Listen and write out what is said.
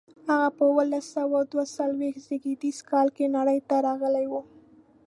هغه په اوولس سوه دوه څلویښت زېږدیز کال کې نړۍ ته راغلی و.